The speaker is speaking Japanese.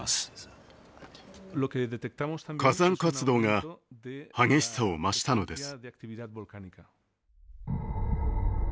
火山活動が激しさを増したのです。